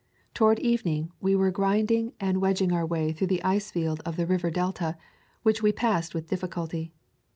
Toward evening we were grinding and wedg ing our way through the ice field of the river delta, which we passed with difficulty.